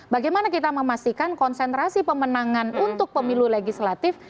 bagaimana kita memastikan konsentrasi pemenangan untuk pemilu legislatif